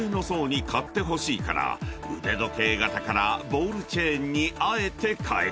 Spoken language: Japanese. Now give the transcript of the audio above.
［腕時計型からボールチェーンにあえて変えた］